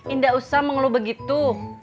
indah usah mengelu begitu